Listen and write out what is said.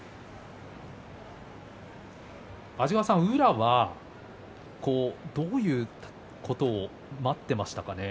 安治川さん、宇良はどういうことを待っていましたかね。